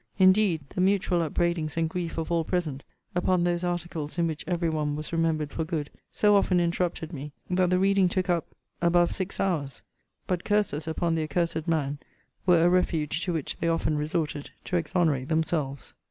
Indeed, the mutual upbraidings and grief of all present, upon those articles in which every one was remembered for good, so often interrupted me, that the reading took up above six hours. But curses upon the accursed man were a refuge to which they often resorted to exonerate themselves.